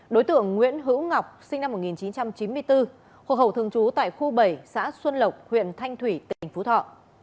đối tượng nguyễn hữu ngọc sinh năm một nghìn chín trăm chín mươi bốn hộ khẩu thường trú tại khu bảy xã xuân lộc huyện thanh thủy tỉnh phú thọ